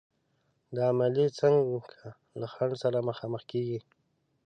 دا عملیې څنګه له خنډ سره مخامخ کېږي؟